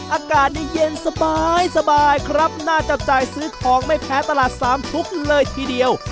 อากาศนี้เย็นสบายครับน่าจับจ่ายซื้อของไม่แพ้ตลาดสามชุกเลยทีเดียว